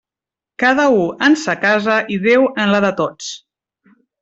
Cada u en sa casa i Déu en la de tots.